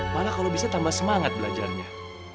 malah kalau bisa tambah semangat belajarnya